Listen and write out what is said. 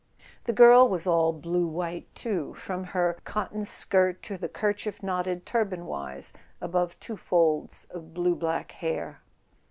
The girl was all blue white too, from her cotton skirt to the kerchief knotted turbanwise above two folds of blue black hair.